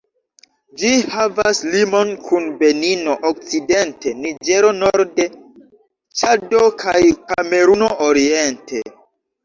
Ĝi havas limon kun Benino okcidente, Niĝero norde, Ĉado kaj Kameruno oriente.